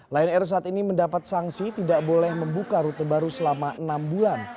lion air saat ini mendapat sanksi tidak boleh membuka rute baru selama enam bulan